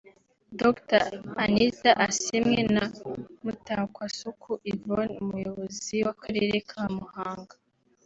Dr Anita Asimwe na Mutakwasuku Yvonne Umuyobozi w’Akarere ka Muhanga